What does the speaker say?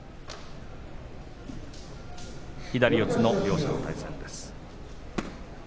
左四つの両者の対戦です。